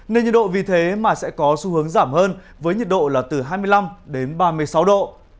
nên nhiệt độ vì thế mà sẽ có xu hướng giảm hơn với nhiệt độ là từ hai mươi năm đến ba mươi sáu độ